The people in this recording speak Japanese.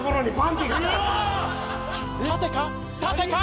縦か？